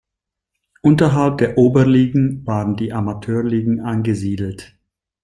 Unterhalb der Oberligen waren die Amateurligen angesiedelt.